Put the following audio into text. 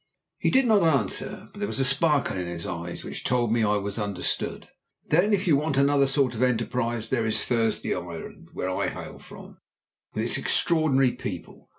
He did not answer, but there was a sparkle in his eyes which told me I was understood. "Then if you want other sorts of enterprise, there is Thursday Island, where I hail from, with its extraordinary people.